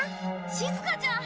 しずかちゃん！